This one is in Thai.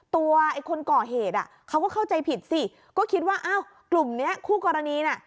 ไอ้คนก่อเหตุอ่ะเขาก็เข้าใจผิดสิก็คิดว่าอ้าวกลุ่มเนี้ยคู่กรณีน่ะ